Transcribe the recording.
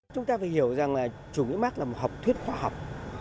chúng ta phải hiểu rằng là chủ nghĩa mark là một học thuyết khoa học